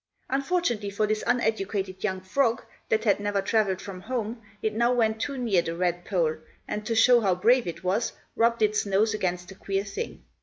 "Unfortunately for this uneducated young frog, that had never travelled from home, it now went too near the red pole, and, to show how brave it was, rubbed its nose against the queer thing.